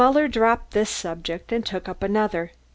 Muller dropped this subject and took up another.